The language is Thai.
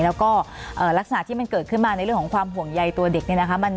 แล้วก็ลักษณะที่มันเกิดขึ้นมาในเรื่องของความห่วงใยตัวเด็กเนี่ยนะคะ